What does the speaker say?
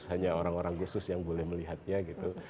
hanya orang orang khusus yang boleh melihatnya gitu